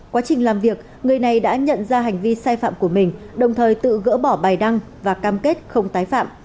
quá trình làm việc người này đã nhận ra hành vi sai phạm của mình đồng thời tự gỡ bỏ bài đăng và cam kết không tái phạm